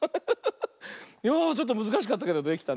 いやあちょっとむずかしかったけどできたね。